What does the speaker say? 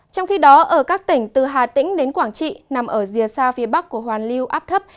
trong khi đó ở các tỉnh từ hà tĩnh đến quảng trị nằm ở rìa xa phía bắc của hoàn lưu áp thấp